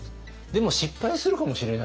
でも失敗するかもしれないじゃん。